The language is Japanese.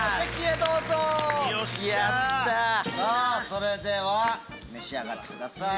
それでは召し上がってください。